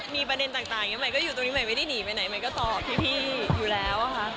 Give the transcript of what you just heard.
มีประเด็นต่างอยู่ตรงนี้แม่งไหนไปตรงนี้ได้หรือไหนต่อพี่อยู่แล้ว